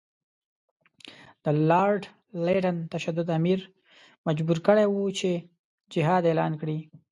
د لارډ لیټن تشدد امیر مجبور کړی وو چې جهاد اعلان کړي.